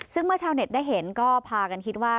ซึ่งเมื่อชาวเน็ตได้เห็นก็พากันคิดว่า